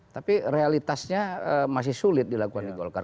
tapi realitasnya masih sulit dilakukan di golkar